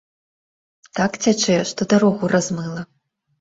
Так цячэ, што дарогу размыла.